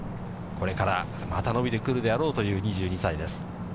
これからまた伸びてくるであろうという２２歳です。